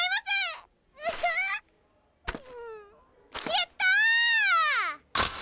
やったぁ！